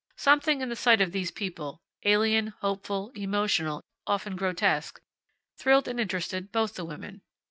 Something in the sight of these people alien, hopeful, emotional, often grotesque thrilled and interested both the women.